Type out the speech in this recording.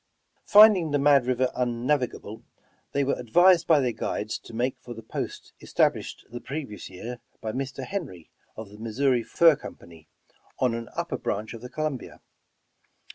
Finding the Mad River unnavigable, they were ad vised by their guides to make for the post established the previous year by Mr. Henry, of the Missouri Fur Company, on an upper branch of the Columbia.